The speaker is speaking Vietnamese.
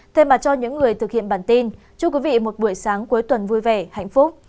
thay mặt cho những người thực hiện bản tin chúc quý vị một buổi sáng cuối tuần vui vẻ hạnh phúc